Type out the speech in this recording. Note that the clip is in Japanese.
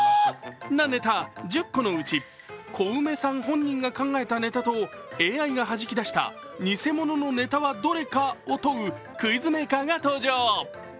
なネタ１０個のうちコウメさん本人が考えたネタとＡＩがはじき出した偽物のネタはどれかを問うクイズメーカーが登場。